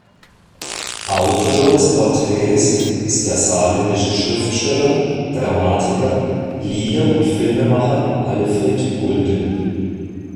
Autor der Porträts ist der saarländische Schriftsteller, Dramatiker, Lieder- und Filmemacher Alfred Gulden.